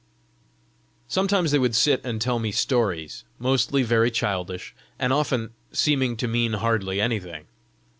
Sometimes they would sit and tell me stories mostly very childish, and often seeming to mean hardly anything.